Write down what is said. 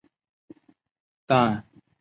但国际汽联未予批准。